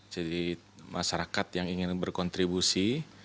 jadi masyarakat yang ingin berkontribusi